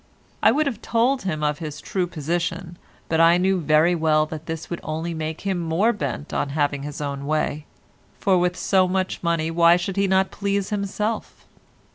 I would have told him of his true position, but I knew very well that this would only make him more bent on having his own way—for with so much money why should he not please himself?